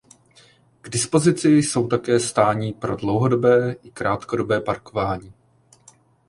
K dispozici jsou také stání pro dlouhodobé i krátkodobé parkování.